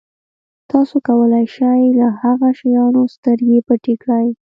تاسو کولای شئ له هغه شیانو سترګې پټې کړئ.